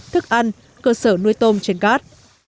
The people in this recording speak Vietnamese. thức ăn cơ sở nuôi tôm trên cát